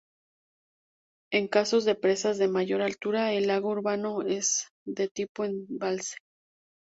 En casos de presas de mayor altura, el lago urbano es de tipo embalse.